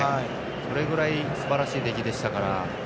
それぐらいすばらしい出来でしたから。